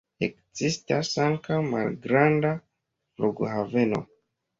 Ekzistas ankaŭ malgranda flughaveno.